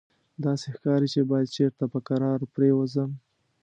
داسې ښکاري چې باید چېرته په کراره پرېوځم.